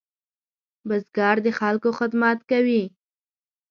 بزګر د خلکو خدمت کوي